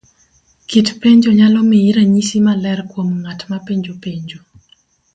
Kit penjo nyalo miyi ranyisi maler kuom nga't mapenjo penjo.